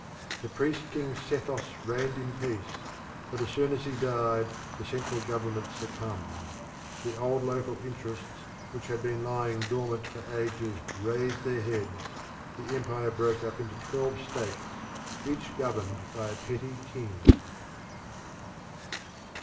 The priest king Sethos reigned in peace, but as soon as he died the central government succumbed; the old local interests which had been lying dormant for ages raised their heads; the empire broke up into twelve states, each governed by a petty king.